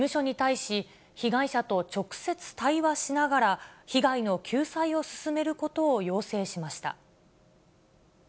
被害者と直接対話しながら、被害の救済を進めることを要請しました。